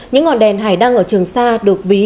những ngọn đèn hải đăng ở trường sa được ví